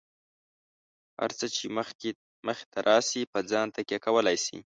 هر څه چې مخې ته راشي، په ځان تکیه کولای شئ.